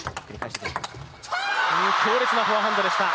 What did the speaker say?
強烈なフォアハンドでした、